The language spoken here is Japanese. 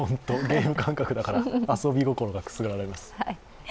ゲーム感覚だから遊び心がくすぐられます。